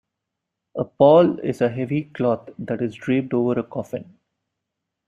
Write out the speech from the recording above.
A "pall" is a heavy cloth that is draped over a coffin.